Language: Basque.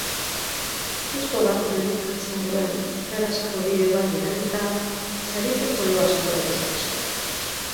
Susto bat irudikatzen duen ikarazko bideo bat bidalita, sari potoloa eskura dezakezu.